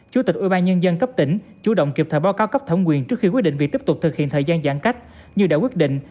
chủ tịch ubnd cấp tỉnh chủ động kịp thời báo cáo cấp thẩm quyền trước khi quyết định việc tiếp tục thực hiện thời gian giãn cách như đã quyết định